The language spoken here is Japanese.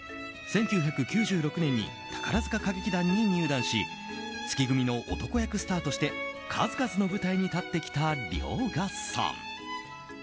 １９９６年に宝塚歌劇団に入団し月組の男役スターとして数々の舞台に立ってきた遼河さん。